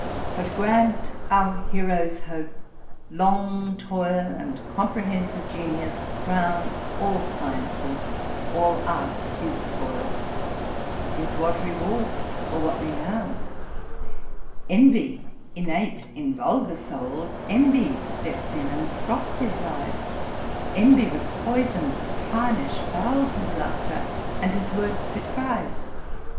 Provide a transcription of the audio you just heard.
But grant our hero's hope, long toil And comprehensive genius crown, All sciences, all arts his spoil, Yet what reward, or what renown? Envy, innate in vulgar souls, Envy steps in and stops his rise, Envy with poison'd tarnish fouls His lustre, and his worth decries.